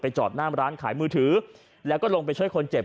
จอดหน้ามร้านขายมือถือแล้วก็ลงไปช่วยคนเจ็บ